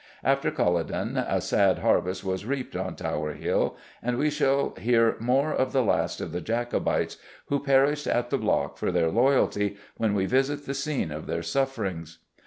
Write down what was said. After Culloden a sad harvest was reaped on Tower Hill, and we shall hear more of the last of the Jacobites, who perished at the block for their loyalty, when we visit the scene of their sufferings.